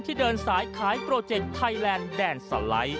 เดินสายขายโปรเจคไทยแลนด์แดนสไลด์